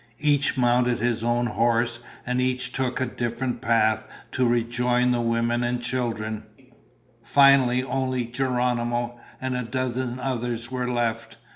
Each mounted his own horse, and each took a different path to rejoin the women and children. Finally only Geronimo and a dozen others were left.